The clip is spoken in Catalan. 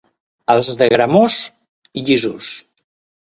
Els de Gramós, llisos.